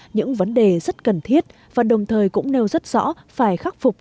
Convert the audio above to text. những vấn đề rất cần thiết và đồng thời cũng nêu rất rõ phải khắc phục